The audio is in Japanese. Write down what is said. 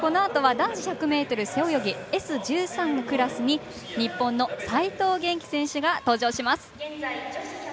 このあとは男子１００ｍ背泳ぎＳ１３クラスに日本の齋藤元希選手が登場します。